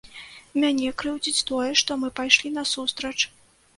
Мяне крыўдзіць тое, што мы пайшлі насустрач.